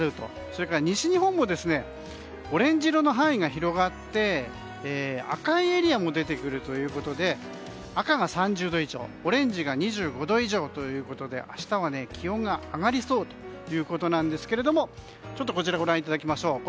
それから西日本もオレンジ色の範囲が広がって赤いエリアも出てくるということで赤が３０度以上、オレンジが２５度以上ということで明日は気温が上がりそうということなんですけどもこちらご覧いただきましょう。